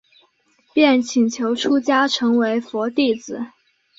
便请求出家成为佛弟子。